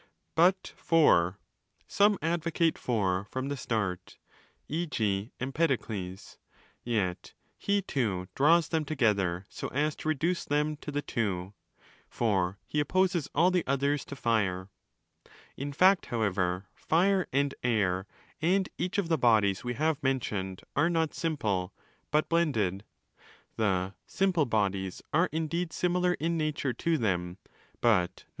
But (iv) some advocate four from the start, 20 e.g. Empedokles: yet he too draws them together so as to reduce them to ¢he two, for he opposes all the others to Fire. In fact, however, fire and air, and each of the bodies_we have mentioned, are not simple, but blended. The 'simple' bodies are indeed similar in nature to them, but not.